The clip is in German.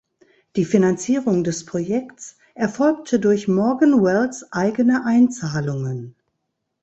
Die Finanzierung des Projekts erfolgte durch Morgan Wells eigene Einzahlungen.